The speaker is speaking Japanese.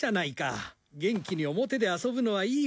元気に表で遊ぶのはいいことだ。